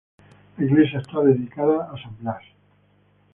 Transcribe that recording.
La iglesia está dedicada a san Blas.